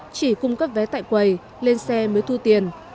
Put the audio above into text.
chỉ cung cấp vé tại quầy lên xe mới thu tiền